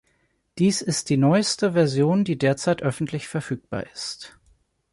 Dies ist die neueste Version, die derzeit öffentlich verfügbar ist.